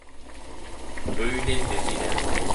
Öyle dediler.